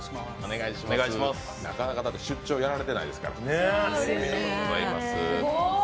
なかなか出張やられていないですから。